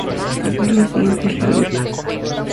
Ver los siguientes reviews.